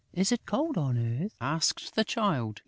"Is it cold on earth?" asked the Child.